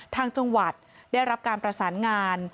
ทางจังหวัดได้รับการประสานงาน